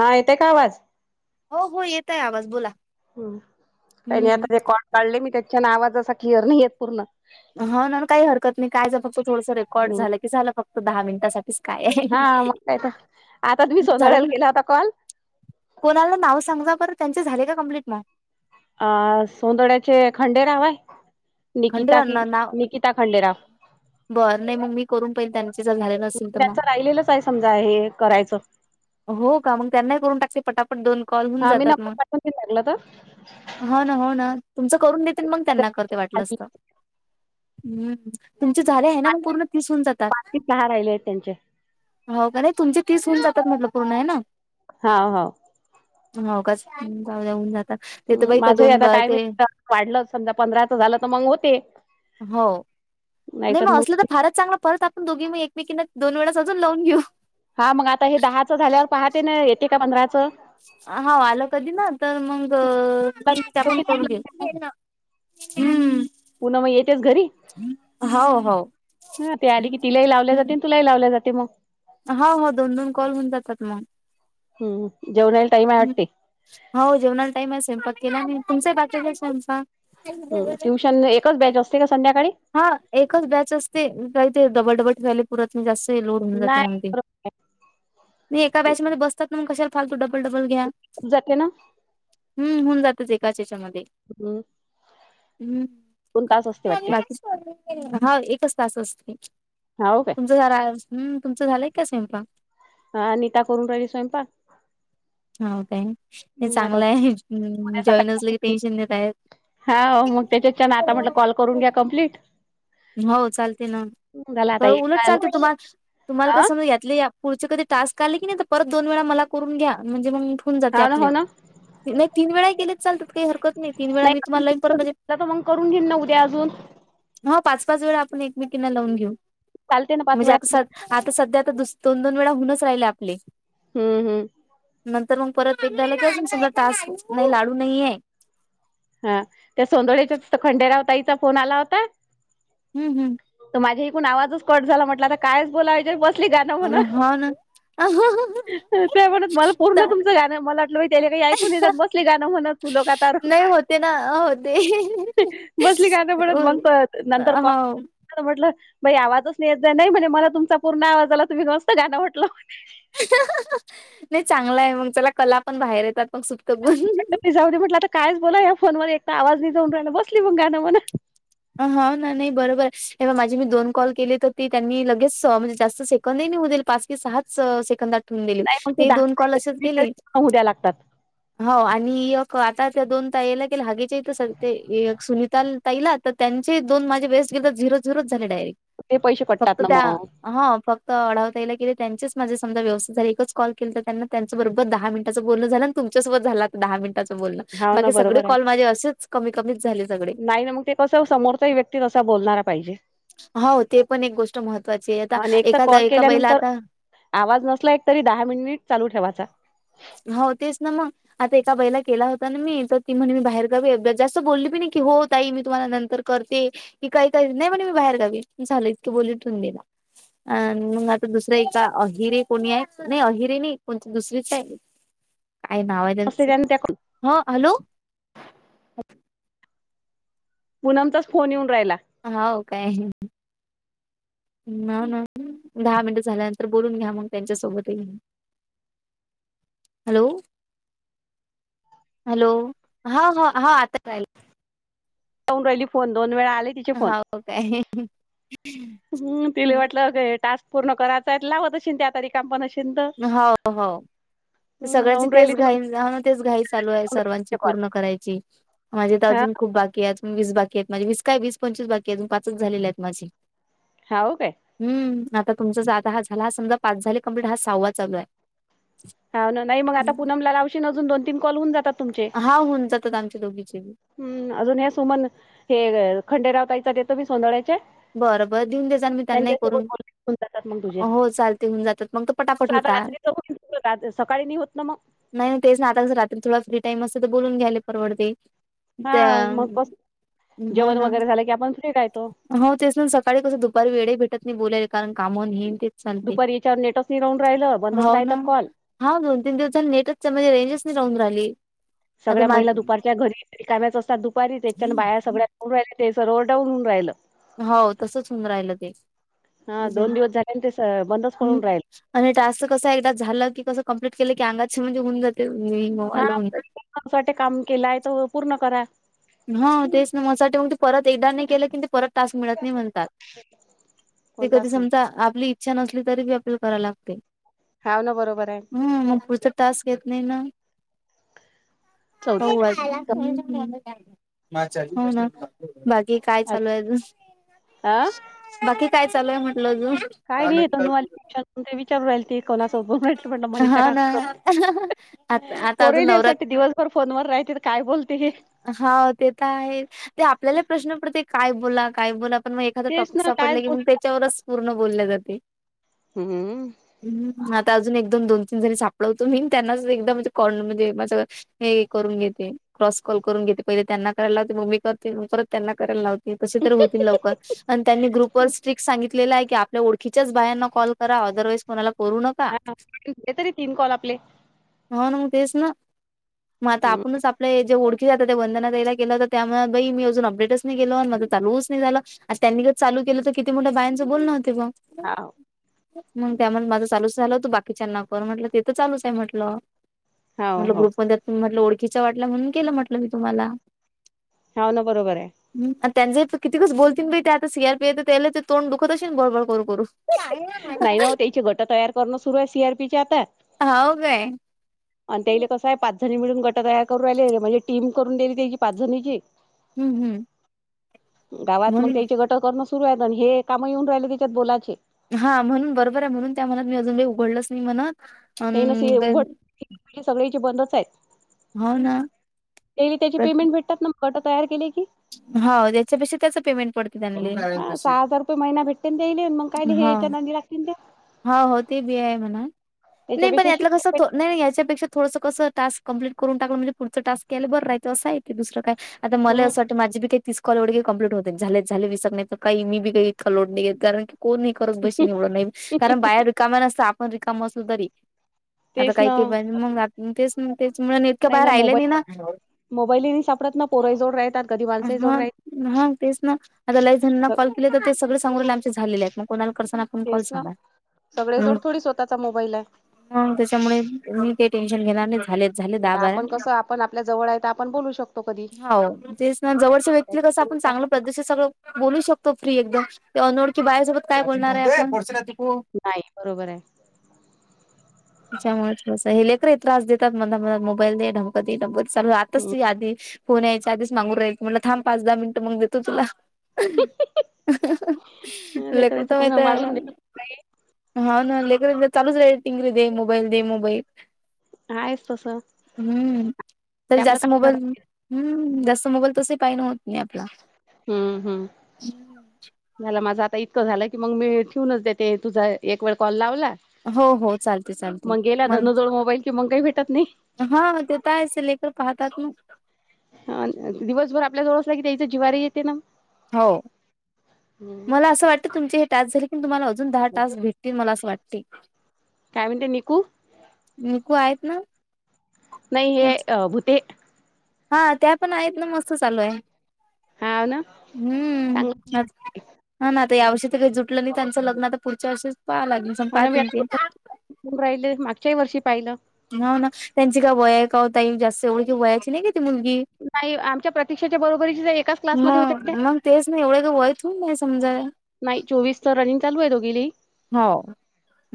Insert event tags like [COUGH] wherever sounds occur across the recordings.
हा, येते का आवाज. हो हो, येतोय आवाज बोला. हम काय नाही हम्म आता [UNINTELLIGIBLE] हा ना काही हरकत नाही काय जर फक्त थोडसं, रेकॉर्ड झालं की झालं फक्त दहा मिनिटासाठी. हा मग काय तर‌ आताच, मी झालं सोनळ्याला तुम केला होता कॉल. कोणाला नाव सांगजा पर त्यांचे झाले का कम्प्लीट [UNINTELLIGIBLE] अ सोंदड्याचे खंडेराव आहे, निकिता कि खंडेरांना नाव निकिता खंडेराव. बरं नाही मग मी करून पहिल, त्यांचे जर झाले नसेल तर मग. [UNINTELLIGIBLE] समजा हे करायचंच. हो का मग त्यांना करून टाकते, पटापट दोन कॉल होऊन हा मी जातात नंबर मग. पाठवून देईन लागलं हो ना हो ना, तुमचं करून देते मग तर त्यांना करते वाटलंस तर. बाकी हम्म हम तुमचे झाले आहेना, मग पूर्ण होवून जातात. सहा राहिले आहेत त्यांचे हो का, नाही तुमचे तीस होऊन जातात. म्हटलं पूर्ण हेना. हा हा. ‌ हां उगच जाऊया उन्हात. ह माझं आता काय माहिती, वाढलं समधा पंधराचं झालं तर मग होते. हो, नाही मग असलं तर फारच चांगलं परत आप दोघी मी एकमेकीना दोन वेळास अजून लावून घेऊ. हा मग आता हे दहाचं झाल्यावर पाहते ना, येते का पंधराचं. हा आलं कधी ना तर मग, [UNINTELLIGIBLE] करून घेऊ. हम्म पुनम मग येतेच घरी. हो हो ह तेरी की तिलाही लावले जाते, तुलाही लावले जाते मग. हो हो, दोन दोन कॉल होऊन जातात मग. हम्म, जेवणाला टाईम आवटते. हो जेवणाला टाम असे, पत् केला आणि तुमचंही बाकीचा आमचा. ट्युशन एकच बॅच असते, का संध्याकाळी. हा एकच बॅच असते, काही ते डबडबट [UNINTELLIGIBLE] पुरात मी जास्त लोड होऊन जाते मग ते. नाही नाही एका बॅचमध्ये‌ बसतात ना, मग कशाला फालतू डबलडबल घ्या. जाते ना हम्म, होऊन जातच एकाच हेच्यामध्ये. अमं.. असते हम् वाटते बाकी हा, एकच तास असते. हौव काय. तुमचं झारा हम्म. तुमचं झालंय का स्वयंपाक. अनिता करून राहिली स्वयंपाक. हो काय हे हम् आता चांगलं आहे, उद्या जॉईन असलं की सकाळी टेन्शन देता येत. हा मग त्यांच्यान आता म्हटलं, कॉल करून घ्या कमप्लीट. हो चालते ना, एक उलट काल चालते तुम्हा तुम्हाला हा कस समज यातले. पुढचे कधी टास्क आले कणी ही तर, परत दोन वेळा मला करून घ्या, म्हणजे मग होवून जाते हा ना हो आपले. ना नाही तीन वेळा गेले चालत काही हरकत, नाही तिन वेळा मी तुम्हा [UNINTELLIGIBLE] तसं मग करून घेन ना उद्या अजून. ह पाच पाच वेळा आपण एकमेकीना लावून घेऊ चालते ना पाच म्हणजे वेळा आसा आता सध्या आता दोन दोन वेळा होऊनच राहिले आपले. हम्म हम्. नंतर मग परत एकदा मला तास नाही लाडू नाहीये. हा त्या सोदळेच्या खंडेराव ताईचा फोन आला होता. हम्म हम्. तर माझा एकूून आवाजच कट झाला म्हटलं, आता कायच बोलावेच्या बसली गाणं हम्म म्हणत. हो [UNINTELLIGIBLE] त्या म्हणत मला पूर्ण तुमचं गाण मला वाटलं, त्याले काही ऐकून नाही जात बसले गान म्हणत फूलो का तारोका. ते ना, हो ते. बसली काय नाही पण मंग परत नंतर कॉ. म्हटलं आवाजच नाही येत नाही. म्हणे मला तुमचा पूर्ण आवाज आला तुम्ही मस्त गांण म्हटलं. नाही चांगलं आहे, मग चला कला पण बाहेर येतात मग सुप्त गुण. जाऊ दे म्हटलं आता कायच बोला या फोन मध्ये, एक आवाज नि जाऊन राहिला बसली मग गाणं म्हणत. हा नाही नाही बरोबर हे, बग माझे मी दोन कॉल केले तर ती त्यांनी लगेच म्हणजे, जास्त सेकंदही हो देलं पाच. सहाच सेकंदात ठेवून दिले, नाही मग ते दोन कॉल असेच गेले. दहा उद्या लागतात हो आणि एक आता दोन ताईला केले, हगेच्या इथं ते सुनीता ताई लात. तर त्यांचे दोन माझे वेस्ट गेले तर झिरो झिरोच झाले डायरेक्ट ते पैसे कटतात फक्त ना त्या. मग हा फक्त आढाव ताईला केले, त्यांचेच माझे समजा व्यवस्थित झाले एकच कॉल केले तर त्यांना. बरोबर दहा मिनटांच बोल झालं तमच्यासोबत झाला दहा मिनिट. बोल हाव न ना सगळे बरोबर आहे कॉल माझे असेच कमी कमीच झाले सगळे. तस समोरचाही व्यक्ती, तसा बोलणारा पाहिजे. हो ते पण एक गोष्ट महत्त्वाची आहे, आता आणि एक तर एकाच कॉल एका बाईला केल्यानंतर आता. आवाज नसला एक तरी दहा मिनिट चालू ठेवायचा. हो तेच ना मग. आता एका बाईला केला होता ना, मी तर ती म्हणे मी बाहेर गावी जास्त बोलली बी नाही हो ताई मी तुम्हाला नंतर. करते की काही काही नाही म्हणे, मी बाहेर गावी झालं इतके बोलुन ठेवून दिला. अ मग आता दुसरे एका अहिरे कोणी आहे नाही अहिरे नाही कोणती दुसरीच आहे. काय नाव आहे असते त्यांच त्याने त्या हॅलो. पूनमचाच फोन येऊन राहिला. हो काय? ना ना दहा मिनट झाल्यानंतर बोलून घ्या, मग त्यांच्या सोबत ही. हॅलो. ‌‌ हॅलो, ह हा आता राहिल. ऊन राहिली फोन दोन वेळा आलेत. तिचे फोन, हाव काय हम्म तिले वाटलें टास्क. पूर्ण करायचाय लावत त त्या तारीख. काम पण शीद. हो हो. तर सगळ्यांची लावून राहिली तेच ती घाई ह. ना तेच घाई चालू आहे सर्वांची कॉल पूर्ण करायची. माझे तर हा अजून खूप बाकी आहेत. वीस बाकी आहेत. माझे वीस काय वीस पंचवीस बाकी अजून पाच झालेले आहेत माझे. हाऊ काय? हम्म आता तुमचा ज आता हा झाला हा समजा पाच झाली कंप्लीट हा सहावा चालू आहे हा ना नाही मग आता हम्म. पुूनमला लावशन अजून दोन, तीन कॉल होऊन जातात तुमचे त त्यांच लोघीचे हम् अजून हे सुमन हे खंडेराव ताईचात येतो मी सोंदळ्याचे. बरं बर देऊन दे जाल मी त्यांना त्यांच्यासोबत करून बोलणे होऊन जातात मग तुझे हो चाल ते होऊन जातात मग त पटापट कसं आता होता. रात्रीचं सकाळी नाही होत ना मग. नाही नाही तेच ना आता कसं, रात्री थोडा फ्री टाईम असत तर बोलून घ्याले परवडते. हा त्या मग कस हो जेवण ना. वगैरे, झालं की आपण फ्री रायतो. हो तेस सकाळी कसं दुपारी वेड ही भेटत. मी बोलेले कारण काम अन हेच चालते दुपारी याच्यावर नेटच नाही राहून राहिलं बंदच हो राहतात ना. कॉल हाव दोन, तीन दिवसां नेटच त्यामध्ये रेंजच नाही राहून राहिली आता सगळ्या मा महिला दुपारच्या घरी रिकाम्याच असतात दुपारीच यायच्या बाया सगळ्या. राहि ते सरोरडाऊनऊन राहिलं हो तसच होऊन राहिलं ते हा दोन दिवस झाले ते स बंदच हम् पडून राहिलं आणि टास्क कसं एकदा झालं की कस कंम्प्लीट केलं की अंगातची क्षीण निघून जाते हा म्हणजे [UNINTELLIGIBLE] [UNINTELLIGIBLE] काम केलाय त पूर्ण करा. ह तेस ना मसा टे मग ते परत एकदा नाही ग केले क परत. तास मिळत नाही म्हणतात ते कधी कोणताच नाही समजा आपली. इच्छा नसली तरी बी आपल्याला कराय लागते हाव ना बरोबर आहे हम मग पुढचा टास्क येत नाही नाह चौदा [UNINTELLIGIBLE] हो ना बाकी काय चालू आहे अजून हा बाकी काय चालूय म्हंटलं अजून. काय नाही येतोवाशन ते विचार राल ते कोणासोब भेट म्हण मनीषा का कस आ आता अजून नवरात फोन वर राहते तर काय बोलते? हा ते तर आहे ते आपल्याला प्रश्न पडते काय बोला? काय बोला? पण मग एखाद तेच टॉपिक ना कायच सापडले की बोल मग त्याच्यावरच पूर्ण बोलले जाते. हम्म. हम् आता अजून एकदम दोन तीन जणी सापडवतो मी त्यांनाच एकदामणे कॉर् म्हणजे माझं हे करून घेते क्रॉस कॉल करून घेते पहिले त्यांना करायला लावते मी करते म करत त्यांना करायला लावते तसे तर होतील लवकर आणि त्यांनी ग्रुप वर स्ट्रिक सांगितलेलं आहे की आपल्या ओळखी च बायाना कॉल करा अदरवाईज कोणाला करू न हा तरी तीन कॉल आपले. हो म तेच ना मग आता हम्म. आपणच आपल्या जे ओढ आ ते वदंना ताई ला केला होता मी अजून अपडेटच नाही केलं त्यामुळे माझं चालूच नाही झालं. त्यांनी ग चालू केलं तर किती मोठं बायांचं बोलण होते बघ. हाव. मग त्यामुळे माझं चालूच झालं होत बाकीच्यांना बर म्हटलं तेथं चालूच आहे म्हंटलं. हाव म्हटल हो ग्रुपमध्ये म्हटलं ओळखीच वाटलं म्हणून केलं म्हटलं मी तुम्हाला हाव ना बरोबर आहे. ह त्यांचे कितीकच बोलतील ते आतात्या तर सी आर पी त्या तोंड दुखत असेल बरो [UNINTELLIGIBLE] करून नाही ना वो त्याची गट तयार करणं सुरु आहे सी आर पी आता. हाव काय? आणि त्याले कसं आहे पाच जणी मिळून गट तयार करू राहिले म्हणजे टीम करून दिली त्याची पाच जणीची. हम्म हम्. गावात मग त्याचे गटं करणं सुरु आहे आणि हे काम येऊन राहिले त्याच्यात बोलाचे. हा म्हणून बरोबर आहे म्हणून त्या म्हणून अजूनही उघडलच नाही म्हणत. ते नसे हे अन उघड सगळे ची बंदच आहेत. हो ना ते बी त्याची पेमेंट भेटतात ना म गट तयार केली की हो त्याच्यापेक्षा त्याच पेमेंट पडत. [UNINTELLIGIBLE] हा सहा हजार रुपये महिना भेटतय ताईने मग कायले हे हा याच्या नी लागतीलन त्या. हा हो ते बी आहे म्हणा नाही पण त्याच्यापेक्षा यातलं शिक कसं याच्यापेक्षा थोडस कस. टास् कं्प्लीट करून टाकलं म्हणजे पुढं टास्क केयलारं राहं असं आहे ते दुसं कायता मला हम्म असं. माझेी काही तीसॉलवढे का कंप्लीट होते झाले झाले विसक नाही तर काहीी काही इतक लो नाही घेत कारण की कोण नाही. करत बशी निवड नाही कारण बाहेर रिकाम्या नसत आपण रिकाम असलो तरी आता तेच काही ना के पाहि मग तेच तेच म्ह इतकं बाहेर आहिलं नाही ना. मोबाईल सापडत ना पोरई जोड राहतात कधी अ माणसंही हा जोड राहतात हा तेच ना आता लाई जणांना कॉल केले तर ते सगळें समोर आमचे झाले आहेत मग कोणाला कसं. तेच ना सगळे जोड थोडी स्वतःचा मोबाईल आहे ह त्याच्यामुळे मी ते टेन्शन घेणार नाही झालेत. झाले दहा आता बारा. आपण कसं आपण आपल्या जवळ आहे तर आपण बोलू शकतो कधी हो तेच ना जवच्या व्यक्तीला कसं आपण चांगलं प्रदूषित सगळं. बोलू शकतो फ्री एकदम अनोळखी बाहेसोबत काय बोलणार आहे अस. नाही बरोबर आहे. त्याच्यामुळेसं हे लेकर त्रास देतात म्ह मोबाईल आमक दे तमक चालू आताच आहे ती आधी फोन यायचा आधीच सांगून राहिली मला थांब पाच, दहा मिनट मग देतो तुला लेकरायचं कोणा वाढून दे [UNINTELLIGIBLE] हा ना लेकर चालूच रा टिंगरी दे मोबाईल दे मोबाईल आहेच तसं हम्म तर ते आपलं जास्त मोबाईल काय हम् जास मोबाईल तस पाहि नवतं. हम्म हम्म. झाला माझं आता इतकं झालं की मग मी ठेवूनच देते तुझा एक वेळ कॉल लावला हो हो चालते चालते मग गेला धनु मला जवळ मोबाईल कि मंग काही भेटत नाही हा ते तर आहे स लेकर पाहतात मग दिवसभर आपल्या जवळ असला की त्याचा जीवारी येते ना. हो मला असं वाटतं तुमचे हे टस् झाले कि तुम्हाला अजून दहा तास भेट. की मला असं वाटते काय म्हणते निकू नकू आहेत ना. नाही हे अ भूते हा त्या पण आहेत ना मस्त चालू आहे हा ना हम्म चांगलं हा ना तर या वर्षी काही जुटलं नाही त्यांच लग्न आता पुढच्या वर्षीच पाहा लागेल संपा आणि मी त्यांचे राहिले मागच्याही वर्षी पाहिलं हो ना त्यांची का वया का होताई जास्त एवढी की वयाची नाही का ती मुलगी. नाही, आमच्या प्रतीक्षाच्या बरोबरीचीच आहे, एकाच क्लासमध्ये होत्या मग त्या. मग तेच नाही एवढे का वयच हो नाही समजायला. नाही चोवीस तर रनिंग चालू आहे दोघीली. हाव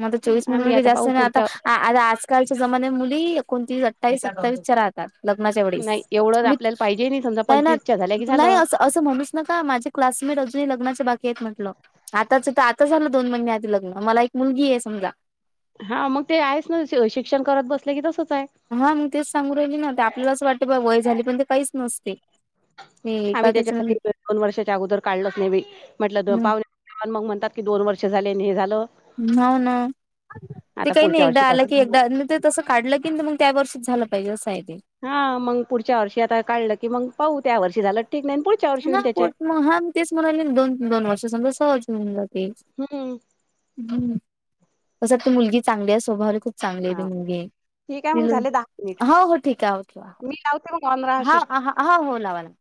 म तर चोवीस मिनट आता जास्त पाहू नाही आता पुढच्या आता आजकालच्या जमान्या मुली एकोणतीस अठ्ठावीस सत्तावीसच्या राहात. लग्नाच्या वेस नाही एवढं आपल्याला पाहिजे समजा नाही च्या झाल्या की नाही झालं. अस. असं ममीच ना का माझे क्लासमेट अजूनही लग्नाच्या बाकी आहेत म्हटलं आताच तर आता झालं दोन महिने. लग्न मला एक मुलगी आहे समजा. हा मग ते आहेच ना शिक्षण करत बसले की तसंच आहे. हा मी तेच सांगू राहिली ना आपल्याला असं वाटते बा वय झाली पण ते काहीच नसते. ते आम्ही एखाद्याच हो त्याच्यासाठी दोन वर्षाच्या अगोदर काढलच नव्हे म्हंटलं पावणे पण मग म्हणतात की दोन वर्ष झाले अन् हे झालं हो ना, ते आता काही नाही पुढच्या एकदा आलं वर्षीपासून की. मग ते तसं काढलं की, मग त्या वर्षीच झालं पाहिजे असं आहे ते. हा मग पुढच्या वर्षी आता काढलं की, मग पाहू त्या वर्षी झालं ठीक नाही पुढ ना मग हा तेच म्हणाली, दोन दोन वर्ष समजा सहज होवून जाते. हं, हम् तसं ती मुलगी चांगली आहे स्वभाव खूप चांगली आहे ती हां. मुलगी ठीक आहे मग त झाले मिनिट. हो, हो ठीक आहे हो ठेवा मी लावते मग ऑन हा, रहाशील. हा हो लावा लावा